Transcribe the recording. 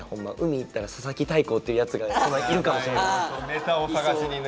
ネタを探しにね。